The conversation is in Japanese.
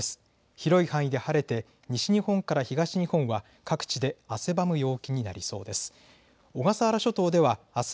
広い範囲で晴れて西日本から東日本は各地で汗ばむ陽気になりそうです。